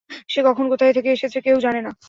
সে কখন কোথায় থেকে এসেছে কেউ জানে না।